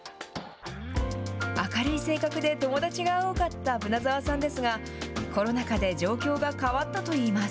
明るい性格で友達が多かった樗澤さんですが、コロナ禍で状況が変わったといいます。